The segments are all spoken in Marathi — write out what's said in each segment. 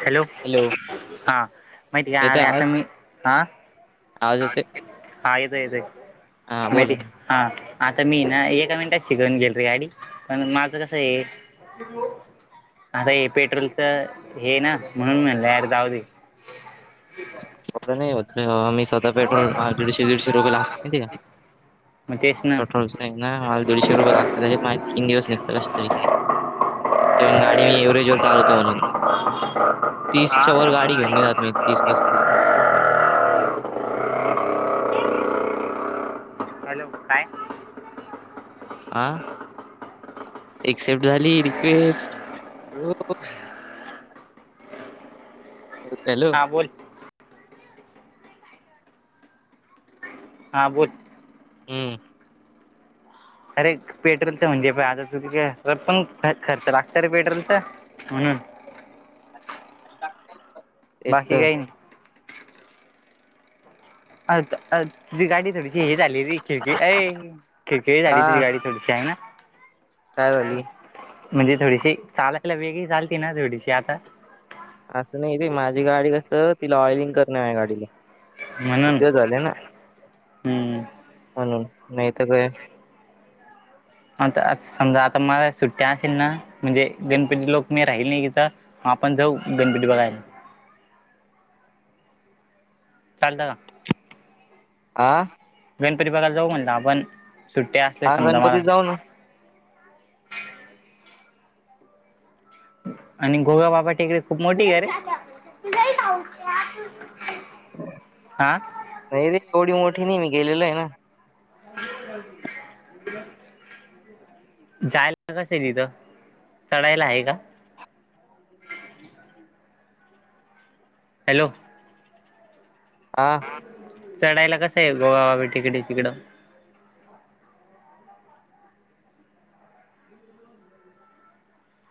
हॅलो? हा माहित का येतोय अरे आता आवाज मी, आ? आवाज येतोय हा इदे इदे हा मेडी बोला हा आता मी ना एका मिनिटात शिकवून गेल रे गाडी पण माझं कसं आहे अरे पेट्रोलच हे ना म्हणून म्हणल यार जाऊदे. बर नाही होत मी स्वतः पेट्रोल दीडशे दीडशे रुपये लागत माहिती का? मग तेच ना पेट्रोलच ये ना मला दीडशे रुपये लागत, त्याच्यात माझे तीन दिवस निघतात कशे तरी. तें मने गाडी मी एव्हरेज वर चालवतो म्हणून, तीसच्या वर गाडी घेऊन नई हां जात मी. तीस पस्तीस हॅलो काय [inaudible] हा एक्सेप्ट झाली रिक्वेस्ट, हो. हॅलो [unintelligible] हां बोल हा बोल. हम्म. अरे पेट्रोलच म्हणजे पाय आता, [unintelligible] पण खर्च लागत रे पेट्रोलच. हना [inaudible] [unintelligible] तेच बाकी तर काही नई. अज अज जी गाडीत थोडीशी हे झाली रे खिडकी अय खिडकी हे झाली हा झाली तुझी थोडीशी आहे ना- काय [unintelligible] झाली म्हणजे थोडीशी चालायला वेगळी झालती ना थोडीशी मग आता असं नाही रे माझी गाडी कस, तिला ऑइलिंग करणारे गाडीला. म्हणून खूप वेळ झाले ना हम्म हम नाही तर काय? आता समजा आता मला सुट्ट्या असेल ना, म्हणजे गणपती लोक नई राहिला यइथं. आपण जाऊ गणपती बघायला. चालत का? आं? गणपती बागायला जाऊ म्हणलं आपण सुट्ट्या असले हा समजा मला गणपतीत जाऊ ना आणि गोवा बागा टेकडी खूप मोठी आहे रे आं? नाही रे एवढी मोठी नाही ती गेलेली आहे ना- [inaudible] जायला कसं य तिथं? चढायला हाय का? हॅलो? आ? चढायला कसं ये, गोवा बाबा टेकडी तिकडं?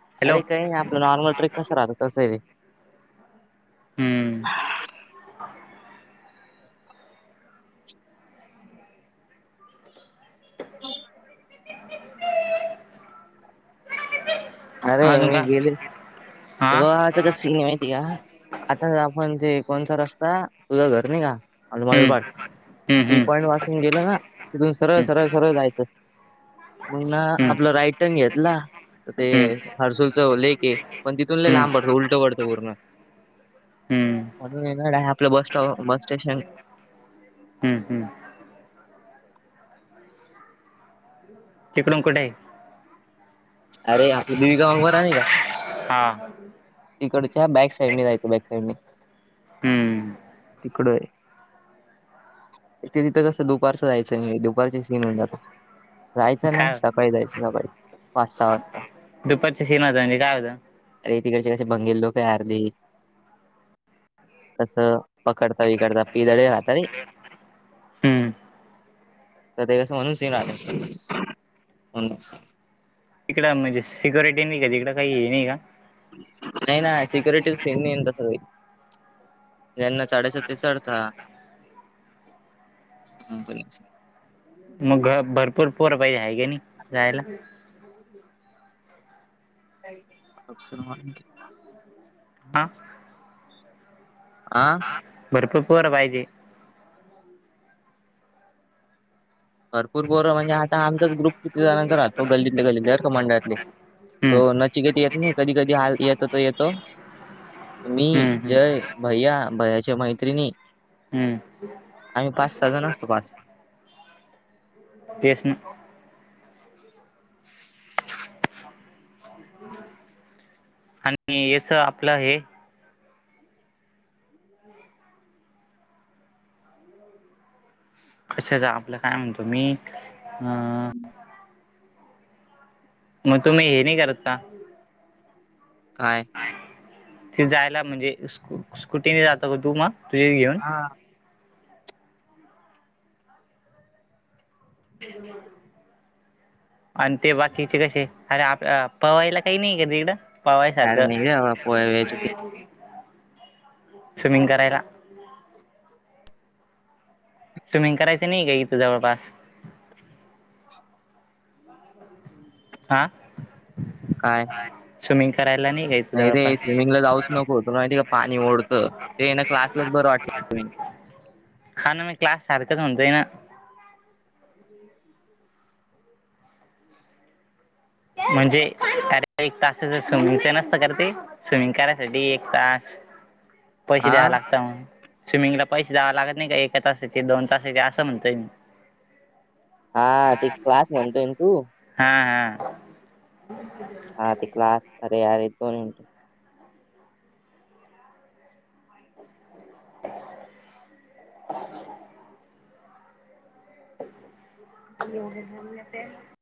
हॅलो अरे काई नाई आपलं नॉर्मल ट्रेक कस राहतो, तसं ये ते. हम्म. अरे, अजून मी काय गेली.. हा ‌तेव्हा त सीन माहिती आहे का? आता आपण ते कोणचा रस्ता तुझं घर नाही का? आ मा पार हम्म हम्म टी पॉइंट हम्म वासून गेलं ना? तिथून सरळ सरळ सरळ जायचं मग ना हम्म आपलं राईट टर्न घेतला.. तर ते हम्म हर्सूलच लेक आहे पण तिथून लई हम्म लांब पडतो उलट पडतो पूर्ण. हं म्हणून एगड आहे आपलं बस स्टॉप, बस स्टेशन हं, हं इकडून कुठे आहे? अरे आपली देवी का [unintelligible] वकवारने का? हा तिकडच्या बॅक साईडने जायचं, बॅक साईडने. हम्म तिकडय. तिथं कसं दुपारचं जायचं दुपारची सीन जात. जायचं ना, काय सकाळी जायचं सकाळी. पाच-सहा वाजता. दुपारची सीन [inaudible] काय होतं? रे तिकडचे कसे बंगेल लोक ये आर्दे. कसं, पकडता-विकडता पिदळी राहतं रे हम्म तदह स म्हनुसी रागष्ट मनुस तिकडं म्हणजे सिक्युरिटी नाही का? तिकडं काही हे नाही का? नाही ना? सिक्युरिटीव सीन नाही तसं बी. त्यांना साडेसात ते सोडता.. मग भरपूर पोरं पायजे आहे की नाही जायला? असलकम [unintelligible] अं आं भरपूर पोरं पाहिजे. भरपूर पोरं म्हणजे आता आमचाच ग्रुप.. किती जणांचा राहतो गल्लीतले गल्लीतले मंडळातले हम्म हो, नचिकेत येत नाही कधी कधी हं येत.. तो येतो, मी, हम्म हम्म जय.. भैया, भैयाच्या मैत्रिणी हम्म आम्ही पाच-सहा जण असतो बास तेच ना. आणि याचं आपलं हे.. कशाचं? आपलं काय म्हणतो मी अं.. मग तुम्ही हे नाही करत का? काय? ते जायला म्हणजे स्कु स्कुटीने जातो का तू मग? तुझे घेऊन. हां. आणि ते बाकीचे कसे? अरे, आप पवईला काही नाही का तिकडं? अरे पवायसारखं? नाही रे बाबा पोहे वेळेचं सीन स्विमिंग करायला. स्विमिंग करायचं नाही का इथं जवळपास? आं.. काय? स्विमिंग करायला नाही का इथं? नाही रे जवळपास स्विमिंग ला जाऊच नको तुला माहिती का? पाणी ओढतं ते ना क्लासलाच बरं वाटतं. हा ना म क्लास सारखंच म्हणतोय ना? म्हणजे, अरे एक तासाच स्विमिंग चं नसतं का रे ते? स्विमिंग करायसाठी एक तास पैसे हा द्यावं लागता मग स्विमिंगला पैसे द्यावा लागत नाही का? एका तासाचे, दोन तासाचे असं म्हणतोय मी. हा ते क्लास हां म्हणतोय ना तू हां. हां ते क्लास अरे यार दोन [inaudible] [inaudible] [inaudible]